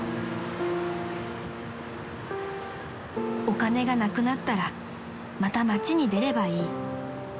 ［お金がなくなったらまた街に出ればいい］